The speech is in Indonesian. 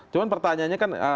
cuman pertanyaannya kan